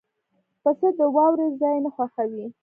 پسه د واورو ځای نه خوښوي.